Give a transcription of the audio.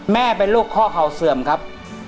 แม่เป็นโรคข้อเข่าเสื่อมครับ